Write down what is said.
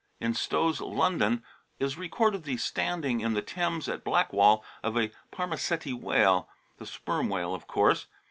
In Stowe's London is recorded the stranding in the Thames, at Blackwall, of a " Parma Ceti whale," the Sperm whale of course.